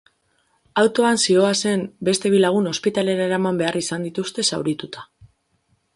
Autoan zihoazen beste bi lagun ospitalera eraman behar izan dituzte zaurituta.